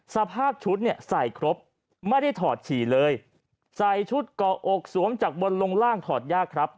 สภาพชุดเนี่ยใส่ครบไม่ได้ถอดฉี่เลยใส่ชุดก่ออกสวมจากบนลงล่างถอดยากครับ